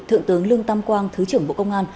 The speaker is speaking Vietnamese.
thượng tướng lương tam quang thứ trưởng bộ công an